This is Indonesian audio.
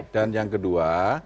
dan yang kedua